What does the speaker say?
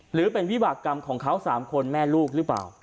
หรือเป็นวิบากรรมของเขา๓คนแม่ลูกหรือเปล่า